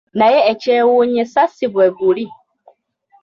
Naye ekyewuunyisa si bwe guli!